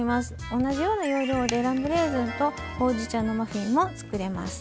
同じような要領で「ラムレーズンとほうじ茶のマフィン」もつくれます。